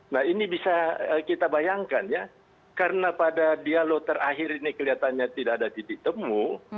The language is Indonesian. nah ini bisa kita bayangkan ya karena pada dialog terakhir ini kelihatannya tidak ada titik temu